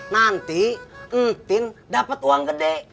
nanti entin dapat uang gede